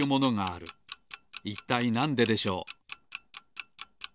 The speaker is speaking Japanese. いったいなんででしょう？